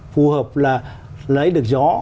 phù hợp là lấy được gió